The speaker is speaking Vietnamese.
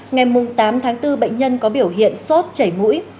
ngày tám tháng bốn bệnh nhân có biểu hiện sốt chảy mũi